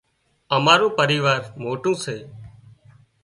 امارون پريوار موٽون سي